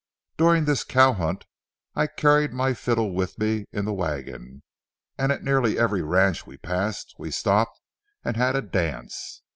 During this cow hunt, I carried my fiddle with me in the wagon, and at nearly every ranch we passed we stopped and had a dance.